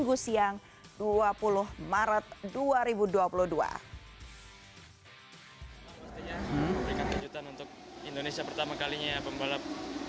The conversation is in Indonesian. home race di sirkuit mandalika pada minggu siang dua puluh maret dua ribu dua puluh dua indonesia pertama kalinya pembalap